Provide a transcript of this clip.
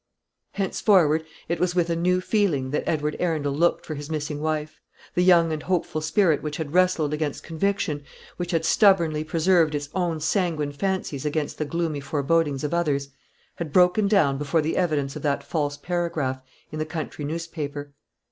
Henceforward it was with a new feeling that Edward Arundel looked for his missing wife. The young and hopeful spirit which had wrestled against conviction, which had stubbornly preserved its own sanguine fancies against the gloomy forebodings of others, had broken down before the evidence of that false paragraph in the country newspaper.